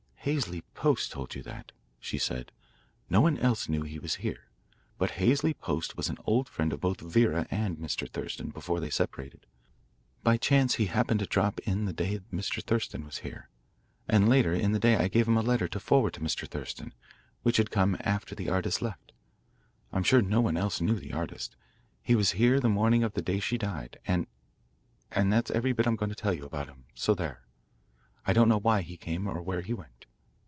"Halsey Post told you that," she said. "No one else knew he was here. But Halsey Post was an old friend of both Vera and Mr. Thurston before they separated. By chance he happened to drop in the day Mr. Thurston was here, and later in the day I gave him a letter to forward to Mr. Thurston, which had come after the artist left. I'm sure no one else knew the artist. He was here the morning of the day she died, and and that's every bit I'm going to tell you about him, so there. I don't know why he came or where he went."